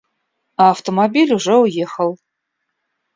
А автомобиль уже уехал.